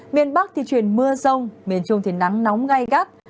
miền bắc thì truyền mưa rông miền trung thì nắng nóng ngay gắt